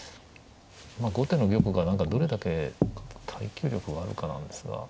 後手の玉がどれだけ耐久力があるかなんですが。